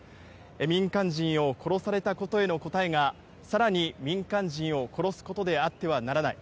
民間人を殺されたことへの答えが、さらに民間人を殺すことであってはならない。